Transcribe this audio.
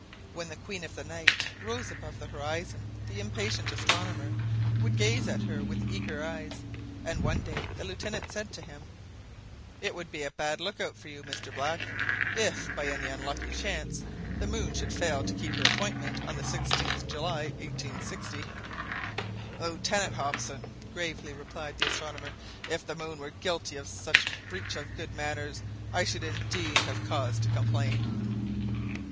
When the queen of the night rose above the horizon, the impatient astronomer would gaze at her with eager eyes, and one day the Lieutenant said to him "It would be a bad look out for you, Mr Black, if by any unlucky chance the moon should fail to keep her appointment on the 16th July 1860." "Lieutenant Hobson," gravely replied the astronomer, "if the moon were guilty of such a breach of good manners, I should indeed have cause to complain."